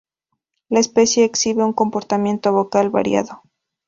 La especie exhibe un comportamiento vocal variado.